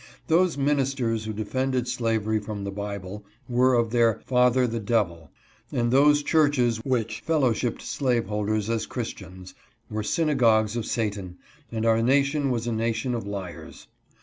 Those ministers who defended slavery from the Bible were of their "father the devil"; and those churches which fellowshiped slaveholders as Chris tians, were synagogues of Satan, and our nation was a nation of liars.